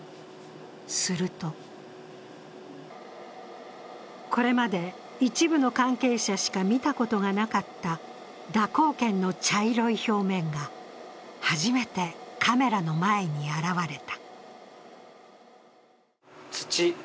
するとこれまで一部の関係者しか見たことがなかった蛇行剣の茶色い表面が初めてカメラの前に現れた。